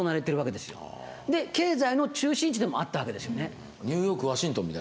で経済の中心地でもあったわけですよね。